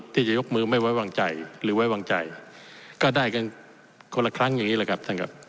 ที่จะยกมือไม่ไว้วางใจหรือไว้วางใจก็ได้กันคนละครั้งอย่างนี้แหละครับท่านครับ